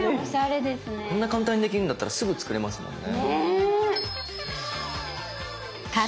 こんな簡単にできるんだったらすぐ作れますもんね。